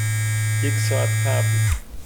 یک ساعت قبل.